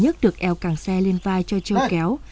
con đực eo càng xe lên vai cho trâu kéo